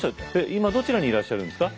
今どちらにいらっしゃるんですか？